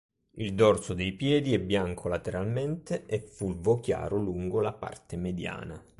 Il dorso dei piedi è bianco lateralmente e fulvo chiaro lungo la parte mediana.